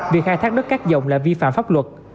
việc khai thác đất cát dòng là vi phạm pháp luật